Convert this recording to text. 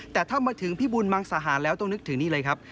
แต่ถ้ามาถึงพี่บุญมังสาหารแล้วต้องนึกถึงนี่เลยครับ